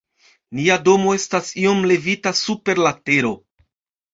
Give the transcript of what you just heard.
Nia domo estas iom levita super la tero.